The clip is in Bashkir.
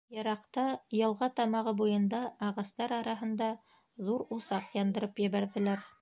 Йыраҡта, йылға тамағы буйында, ағастар араһында ҙур усаҡ яндырып ебәрҙеләр.